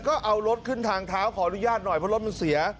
ก็เอารถขึ้นทางเท้าขออนุญาตหน่อยเพราะรถมันเสีย